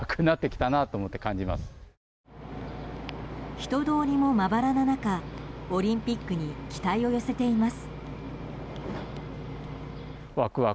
人通りもまばらな中オリンピックに期待を寄せています。